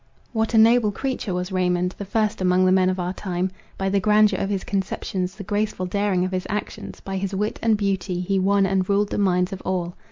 "What a noble creature was Raymond, the first among the men of our time. By the grandeur of his conceptions, the graceful daring of his actions, by his wit and beauty, he won and ruled the minds of all.